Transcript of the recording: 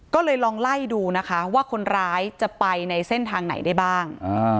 ก็เลยลองไล่ดูนะคะว่าคนร้ายจะไปในเส้นทางไหนได้บ้าง